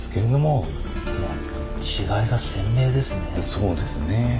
そうですね。